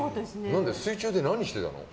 水中で何してたの？